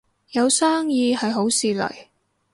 有生意係好事嚟